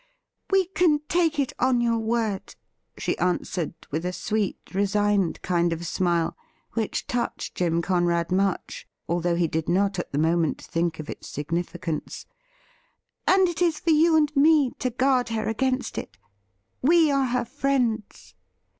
' We can take it on your word,' she answered, with a sweet, resigned kind of smile, which touched Jim Conrad much, although he did not at the moment think of its significance ;' and it is for you and me to guard her against it. We are her friends.'